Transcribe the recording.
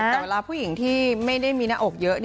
แต่เวลาผู้หญิงที่ไม่ได้มีหน้าอกเยอะ